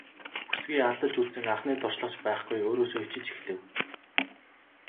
Бүсгүй алдаж үзсэн анхны туршлага ч байхгүй өөрөөсөө ичиж эхлэв.